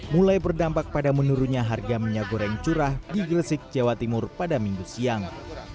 mulai berdampak pada menurunnya harga minyak goreng curah di gresik jawa timur pada minggu siang